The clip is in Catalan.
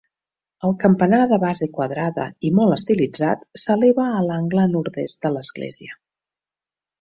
El campanar, de base quadrada i molt estilitzat, s'eleva a l'angle nord-oest de l'església.